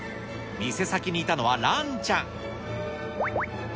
店先にいたのはランちゃん。